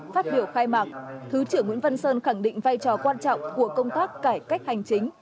phát biểu khai mạc thứ trưởng nguyễn văn sơn khẳng định vai trò quan trọng của công tác cải cách hành chính